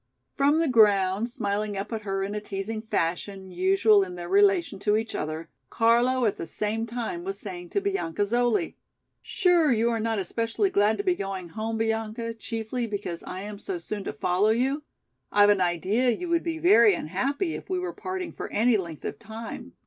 From the ground, smiling up at her in a teasing fashion usual in their relation to each other, Carlo at the same time was saying to Bianca Zoli: "Sure you are not especially glad to be going home, Bianca, chiefly because I am so soon to follow you? I've an idea you would be very unhappy if we were parting for any length of time.